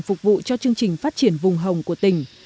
phục vụ cho chương trình phát triển vùng hồng của tỉnh